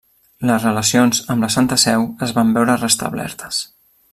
Les relacions amb la Santa Seu es van veure restablertes.